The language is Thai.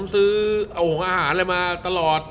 ซื้อเอาของอาหารอะไรมาตลอด